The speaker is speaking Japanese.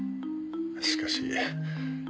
しかし。